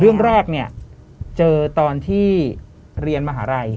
เรื่องแรกเนี่ยเจอตอนที่เรียนมหาลัย